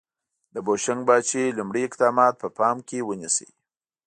د بوشنګ پاچاهۍ لومړي اقدامات په پام کې ونیسئ.